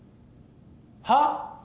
はっ？